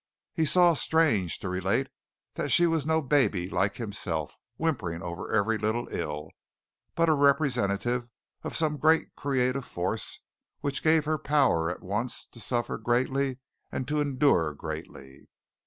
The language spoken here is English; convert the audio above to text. He saw, strange to relate, that she was no baby like himself, whimpering over every little ill, but a representative of some great creative force which gave her power at once to suffer greatly and to endure greatly.